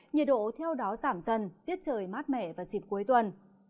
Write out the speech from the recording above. nhiệt độ theo đó giảm dần tiết trời mát mẻ vào dịp cuối tuần